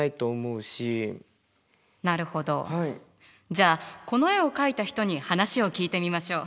じゃあこの絵を描いた人に話を聞いてみましょう。